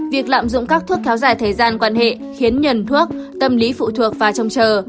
việc lạm dụng các thuốc kéo dài thời gian quan hệ khiến nhận thuốc tâm lý phụ thuộc và trông chờ